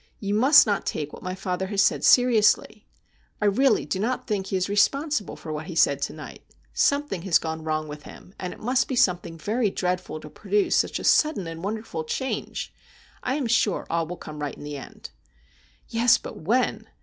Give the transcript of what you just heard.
You must not take what my father has said seriously. I really do not think he is responsible for what he said to night. Something has gone wrong with him, and it must be something very dreadful to produce such a sudden and wonderful change. I am sure all will come right in the end.' ' Yes ; but when